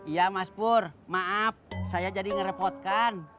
ya mas pur maaf saya jadi ngerepotkan